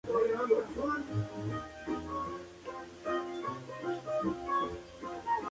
Este elemento de diseño se utilizó durante la era clásica del estilismo del automóvil.